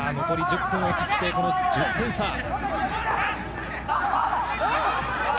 残り１０分を切って１０点差。